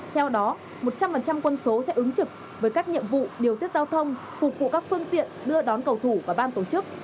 theo đó một trăm linh quân số sẽ ứng trực với các nhiệm vụ điều tiết giao thông phục vụ các phương tiện đưa đón cầu thủ và ban tổ chức